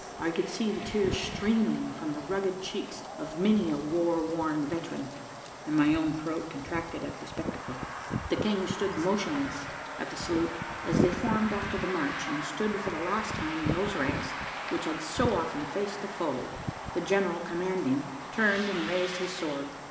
I could see the tears streaming from the rugged cheeks of many a war worn veteran, and my own throat contracted at the spectacle. The King stood motionless at the salute. As they formed after the march, and stood for the last time in those ranks which had so often faced the foe, the general commanding turned and raised his sword.